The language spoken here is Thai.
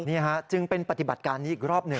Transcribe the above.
ซึ่งเป็นปฏิบัติการอีกรอบหนึ่ง